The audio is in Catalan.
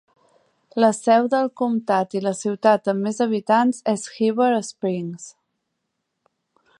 La seu del comtat i la ciutat amb més habitants és Heber Springs.